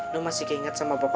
lo masih keinget sama bapak